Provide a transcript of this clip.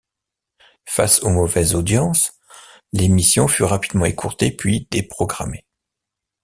Face aux mauvaises audiences, l'émission fut rapidement écourtée puis déprogrammée.